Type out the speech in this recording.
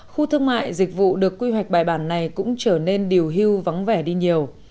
khu thương mại dịch vụ được quy hoạch bài bản này cũng trở nên điều hưu vắng vẻ đi nhiều